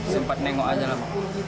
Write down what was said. sempat nengok aja lah